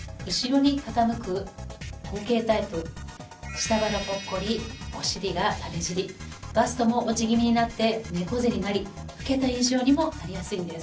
下腹ポッコリお尻がたれ尻バストも落ち気味になって猫背になり老けた印象にもなりやすいんです。